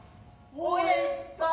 おえんさん。